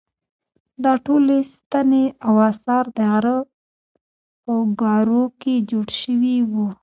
دا ټولې ستنې او اثار د غره په ګارو کې جوړ شوي وو.